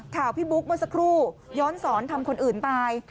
ข่าวพี่บุ๊คเมื่อสักครู่ย้อนสอนทำคนอื่นตาย